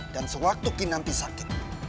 dan sewaktu kinandi sakit